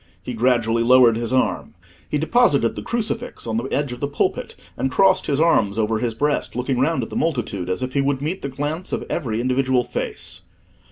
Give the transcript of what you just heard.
He gradually lowered his arm. He deposited the crucifix on the edge of the pulpit, and crossed his arms over his breast, looking round at the multitude as if he would meet the glance of every individual face.